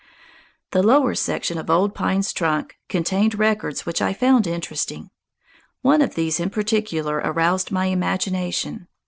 The lower section of Old Pine's trunk contained records which I found interesting. One of these in particular aroused my imagination.